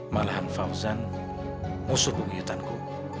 malahan fauzan musuh bungi utanku